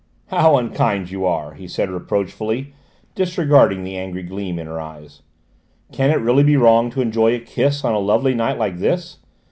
"How unkind you are!" he said reproachfully, disregarding the angry gleam in her eyes. "Can it really be wrong to enjoy a kiss, on a lovely night like this?